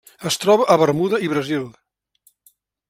Es troba a Bermuda i Brasil.